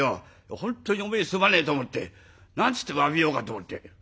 本当におめえにすまねえと思って何つって詫びようかと思って」。